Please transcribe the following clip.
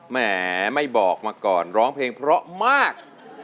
แหมไม่บอกมาก่อนร้องเพลงเพราะมาก